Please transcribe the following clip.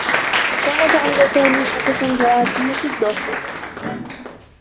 كانت عند سامي حصص دراسيّة في الظّهيرة.